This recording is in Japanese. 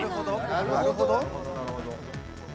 なるほど。